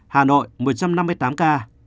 hà nội một trăm năm mươi tám ca